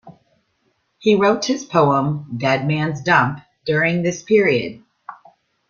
He wrote his poem "Dead Man's Dump" during this period.